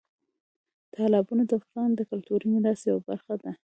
تالابونه د افغانستان د کلتوري میراث یوه برخه ده.